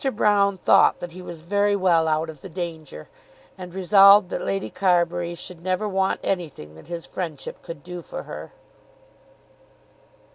Broune thought that he was very well out of the danger, and resolved that Lady Carbury should never want anything that his friendship could do for her.